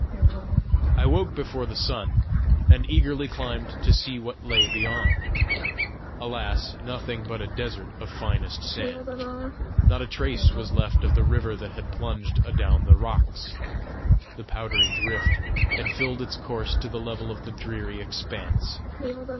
I woke before the sun, and eagerly climbed to see what lay beyond. Alas, nothing but a desert of finest sand! Not a trace was left of the river that had plunged adown the rocks! The powdery drift had filled its course to the level of the dreary expanse!